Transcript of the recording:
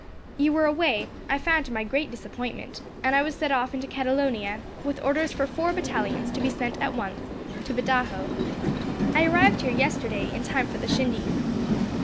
You were away, I found to my great disappointment, and I was sent off into Catalonia, with orders for four battalions to be sent at once to Badajos. I arrived here yesterday, in time for the shindy."